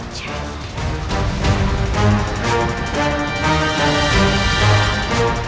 kau akan menang